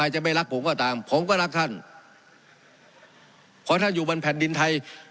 จะไม่รักผมก็ตามผมก็รักท่านเพราะท่านอยู่บนแผ่นดินไทย